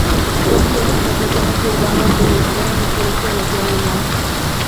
Son viales completamente urbanos que se disponen en el sureste la ciudad de León.